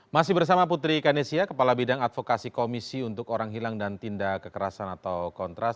masih bersama putri kanesia kepala bidang advokasi komisi untuk orang hilang dan tindak kekerasan atau kontras